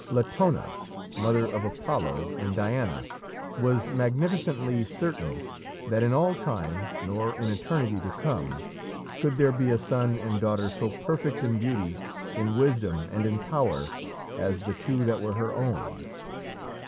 Latona, mother of Apollo and Diana, was magnificently certain that in all time, nor in eternity to come, could there be a son and daughter so perfect in beauty, in wisdom, and in power as the two that were her own.